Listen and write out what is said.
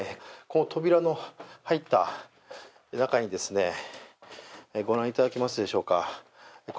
この扉の入った中に、御覧いただけますでしょうか。